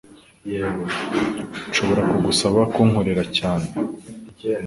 Nshobora kugusaba kunkorera cyane?